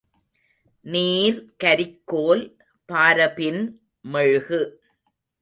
நீர், கரிக்கோல், பாரபின் மெழுகு.